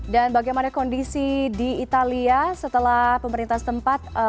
dan bagaimana kondisi di italia setelah pemerintah tempat